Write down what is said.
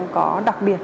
có đặc biệt